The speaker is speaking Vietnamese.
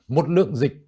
một lượng dịch